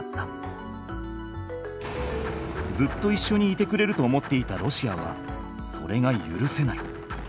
ずっといっしょにいてくれると思っていたロシアはそれがゆるせない。